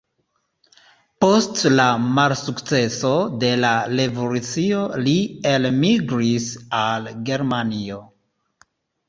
Post la malsukceso de la revolucio li elmigris al Germanio.